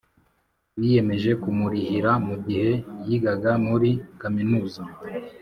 Biyemeje Kumurihira Mu Gihe Yigaga Muri kaminuza